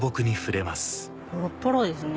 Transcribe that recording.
ボロボロですね。